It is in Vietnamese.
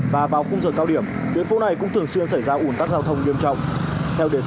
và liệu có thực sự khả thi an toàn